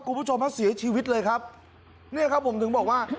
คุณผู้ชมฮะเสียชีวิตเลยครับเนี่ยครับผมถึงบอกว่า